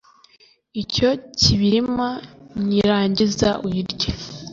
icyo kibirima, nirangiza uyirye,